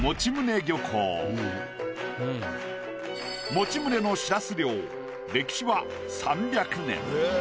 用宗のしらす漁歴史は３００年。